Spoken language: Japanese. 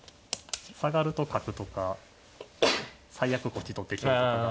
下がると角とか最悪こっち取って香とかが。